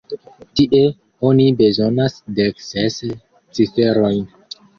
Tie, oni bezonas dek ses ciferojn.